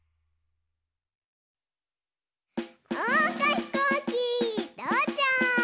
おうかひこうきとうちゃく！